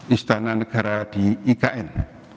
istana negara di ikn